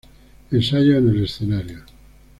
Ensayos en el escenario.